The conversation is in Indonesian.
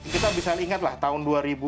kita bisa ingatlah tahun dua ribu empat belas